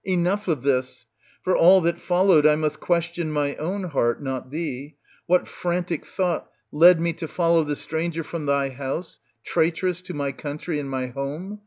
Enough of this ! For all that followed I must question my own heart, not thee; what frantic thought led me to follow the stranger from thy house, traitress to my country and my home